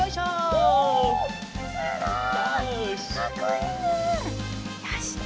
おすごい！